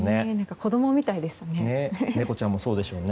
子供みたいですね。